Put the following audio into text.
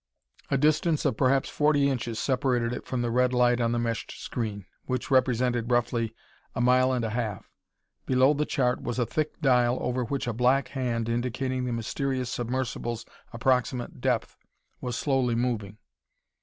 A distance of perhaps forty inches separated it from the red light on the meshed screen which represented, roughly, a mile and a half. Below the chart was a thick dial, over which a black hand, indicating the mysterious submersible's approximate depth, was slowly moving.